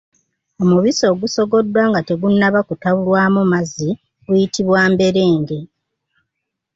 Omubisi ogusogoddwa nga tegunnaba kutabulwamu mazzi guyitibwa mberenge.